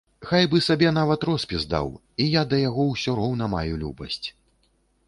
Хай бы сабе нават роспіс даў, і я да яго ўсё роўна маю любасць.